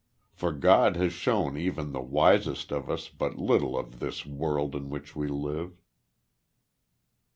For God has shown even the wisest of us but little of this world in which we live.